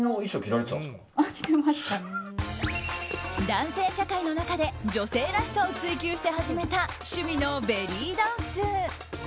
男性社会の中で女性らしさを追求して始めた趣味のベリーダンス。